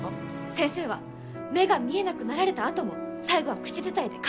先生は目が見えなくなられたあとも最後は口伝えで完結させたんです！